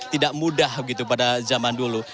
tidak mudah gitu pada zaman dulu